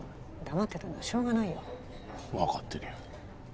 黙ってたのはしょうがないよ分かってるよ